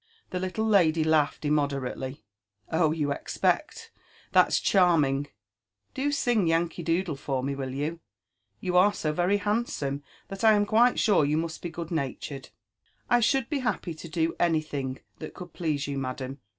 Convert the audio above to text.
The little lady laughed immoderately. Oh, you expect !— that's charming !— Do sing Yankee Doodle for me, will you ? You are so very handsome, thai I am quite sure you must be good* natured." " I should be very happy to do anything that^ could please you, madam."